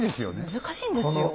難しいんですよ。